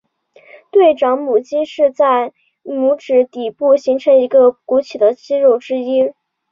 对掌拇肌是在拇指底部形成一个鼓起的肌肉之一。